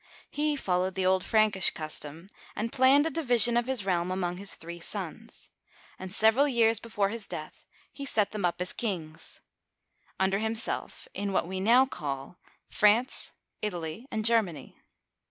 He followed the old Prankish custom, and planned a division of his realm among his three sons ; and several years before his death he set them up as kings, under himself, in what wetiow call France, Italy, and Germany.